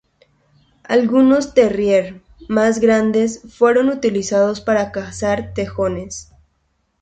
Algunos terrier más grandes fueron utilizados para cazar tejones.